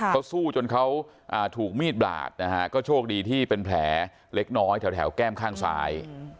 เขาสู้จนเขาถูกมีดบาดนะฮะก็โชคดีที่เป็นแผลเล็กน้อยแถวแก้มข้างซ้าย